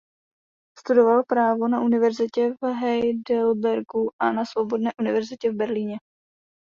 Studoval právo na univerzitě v Heidelbergu a na Svobodné univerzitě v Berlíně.